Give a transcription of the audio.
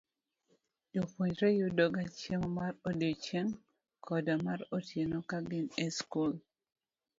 Jopuonjre yudoga chiemo mar odiechieng' koda mar otieno ka gin e skul.